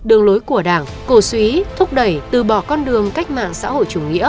đường lối của đảng cổ suý thúc đẩy từ bỏ con đường cách mạng xã hội chủ nghĩa